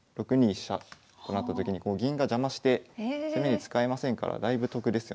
飛車となったときに銀が邪魔して攻めに使えませんからだいぶ得ですよね